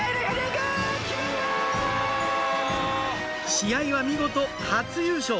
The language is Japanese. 試合は見事初優勝！